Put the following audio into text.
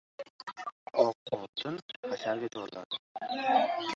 "Oq oltin" hasharga chorladi.